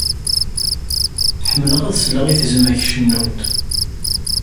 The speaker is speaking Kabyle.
Ḥemleɣ ad sleɣ i tezmak cennunt.